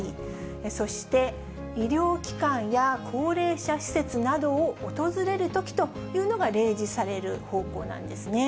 そして、医療機関や高齢者施設などを訪れる時というのが例示される方向なんですね。